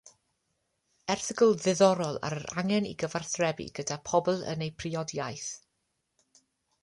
Erthygl ddiddorol ar yr angen i gyfathrebu gyda pobl yn eu priod iaith.